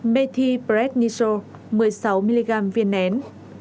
methylprednisol một mươi sáu mg viên nén